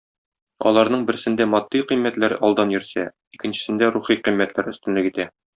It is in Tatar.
Аларның берсендә матди кыйммәтләр алдан йөрсә, икенчесендә - рухи кыйммәтләр өстенлек итә.